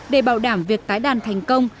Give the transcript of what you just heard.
để bảo đảm việc tái đàn thành công